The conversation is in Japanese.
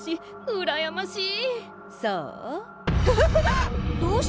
うらやましい！